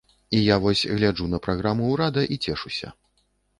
І я вось гляджу на праграму ўрада і цешуся.